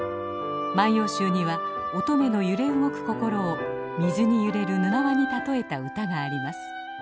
「万葉集」には乙女の揺れ動く心を水に揺れるぬなわに例えた歌があります。